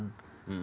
yang ketiga ya